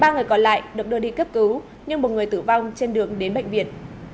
ba người còn lại được đưa đi cấp cứu nhưng một người tử vong trên đường đến bệnh viện